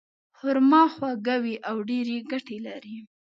خرما خواږه وي او ډېرې ګټې لري.